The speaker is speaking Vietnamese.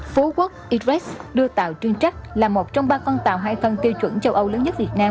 phố quốc idres đưa tàu trưng trắc là một trong ba con tàu hai thân tiêu chuẩn châu âu lớn nhất việt nam